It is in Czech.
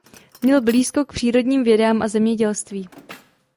Měl blízko k přírodním vědám a zemědělství.